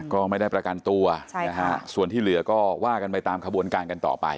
ก็ไม่ได้ประกันตัวส่วนที่เหลือก็ว่ากันไปตามขบวนการกันต่อไป